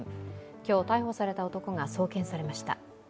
今日、逮捕された男が送検されました。